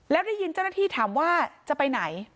แล้วได้ยินเจ้าหน้าที่ถามว่าจะไปไหน